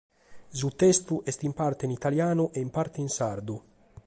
Su testu est in parte in italianu e in parte in sardu.